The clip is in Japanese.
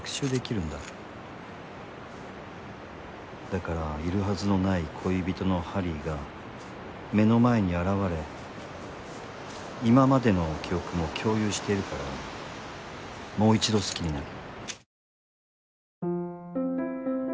だからいるはずのない恋人のハリーが目の前に現れ今までの記憶も共有してるからもう一度好きになる。